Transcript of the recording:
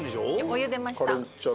お湯出ました。